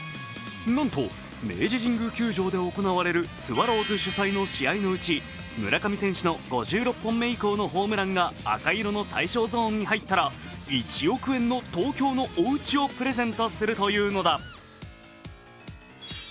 なんと明治神宮球場で行われるスワローズ主催の試合のうち村上選手の５６本目以降のホームランが赤色の対象ゾーンに入ったら１億円の東京のおうちをプレゼントするというのだ。